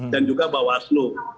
dan juga bawaslu